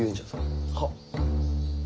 はっ。